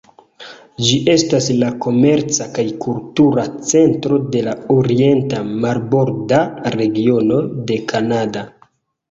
Ĝi estas la komerca kaj kultura centro de la orienta marborda regiono de Kanada.